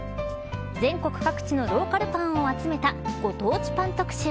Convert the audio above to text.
全国各地のローカルパンを集めたご当地パン特集。